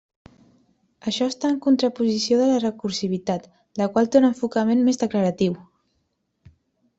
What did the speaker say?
Això està en contraposició de la recursivitat, la qual té un enfocament més declaratiu.